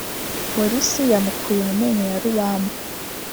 Polisi yamukuye mu menyo ya Rubamba